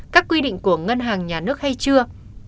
các quy định của ngân hàng nhà nước hay chưa